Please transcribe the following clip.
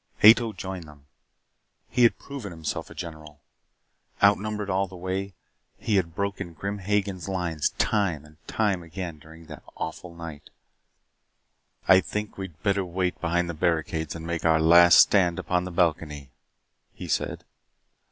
Ato joined them. He had proven himself a general. Outnumbered all the way, he had broken Grim Hagen's lines time and again during that awful night. "I think we had better wait behind the barricades and make our last stand upon the balcony," he said.